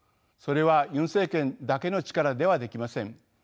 それはユン政権だけの力ではできません。